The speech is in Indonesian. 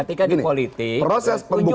ketika di politik